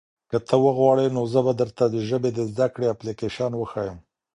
که ته وغواړې نو زه به درته د ژبې د زده کړې اپلیکیشن وښیم.